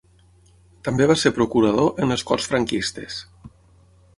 També va ser procurador en les Corts franquistes.